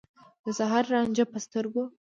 د سحر رانجه په سترګو